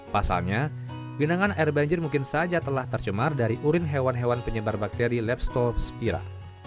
pasalnya genangan air banjir mungkin saja telah tercemar dari urin hewan hewan penyebar bakteri lepstopspira